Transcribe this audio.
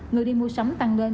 người đi mua sắm tăng lên